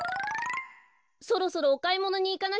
そろそろおかいものにいかなきゃ。